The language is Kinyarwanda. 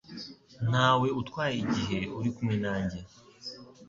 Ntawe utwaye igihe uri kumwe nanjye.